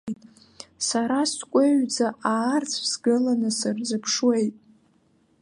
Сара скәаҩӡа, аарцә, сгыланы сырзыԥшуеит.